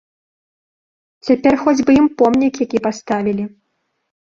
Цяпер хоць бы ім помнік які паставілі.